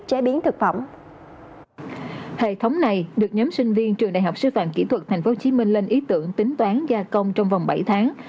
hệ thống này được nhóm sinh viên trường đại học sư phạm kỹ thuật tp hcm lên ý tưởng tính toán gia công trong vòng bảy tháng